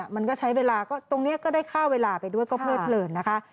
มันก็ใช้เวลาก็ตรงนี้ก็ได้ค่าเวลาไปด้วยก็เพลิดเลินนะคะ